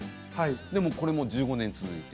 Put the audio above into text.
でもこれも１５年続いて。